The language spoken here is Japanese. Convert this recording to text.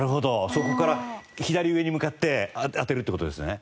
そこから左上に向かって当てるって事ですね。